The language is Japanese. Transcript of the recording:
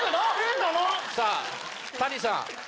さぁ谷さん。